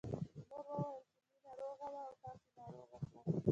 مور وويل چې مينه روغه وه او تاسې ناروغه کړه